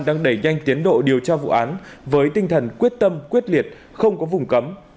đang đẩy nhanh tiến độ điều tra vụ án với tinh thần quyết tâm quyết liệt không có vùng cấm